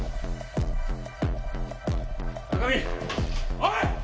おい！